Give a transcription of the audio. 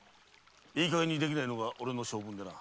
いいかげんにできないのが俺の性分でな。